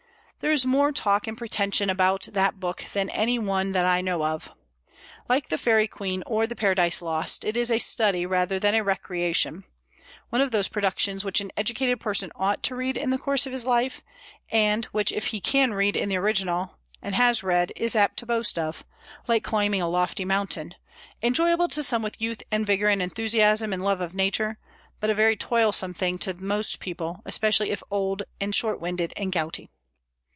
There is more talk and pretension about that book than any one that I know of. Like the "Faerie Queene" or the "Paradise Lost," it is a study rather than a recreation; one of those productions which an educated person ought to read in the course of his life, and which if he can read in the original, and has read, is apt to boast of, like climbing a lofty mountain, enjoyable to some with youth and vigor and enthusiasm and love of nature, but a very toilsome thing to most people, especially if old and short winded and gouty.